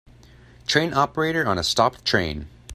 Train operator on a stopped train.